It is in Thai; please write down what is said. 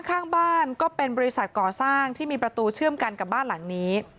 ข้างบ้านก็เป็นบริษัทก่อสร้างที่มีประตูเชื่อมกันกับบ้านหลังนี้